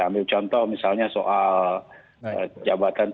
ambil contoh misalnya soal jabatan